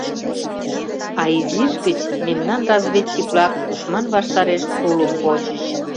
А изиш гыч мемнан разведчик-влак тушман ваштареш тулым почыч.